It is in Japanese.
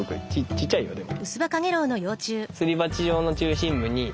ちっちゃいよでも。